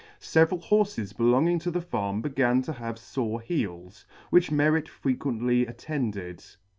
Several horfes belonging to the farm began to have fore heels, which Merret frequently attended.